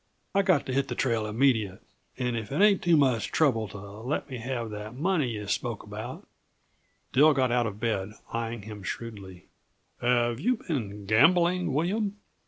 I've got to hit the trail immediate and if it ain't too much trouble to let me have that money yuh spoke about " Dill got out of bed, eying him shrewdly. "Have you been gambling, William?"